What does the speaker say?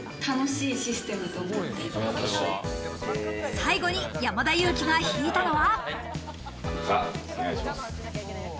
最後に山田裕貴が引いたのは。